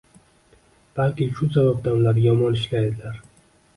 Balki shu sababdan ular yomon ishlaydilar